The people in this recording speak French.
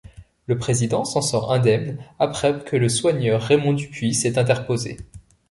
Le président s'en sort indemne après que le soigneur Raymond Dupuis s'est interposé.